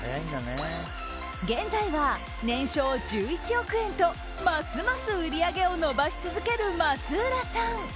現在は年商１１億円とますます売り上げを伸ばし続ける松浦さん。